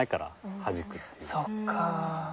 そっかぁ。